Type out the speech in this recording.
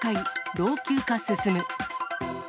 老朽化進む。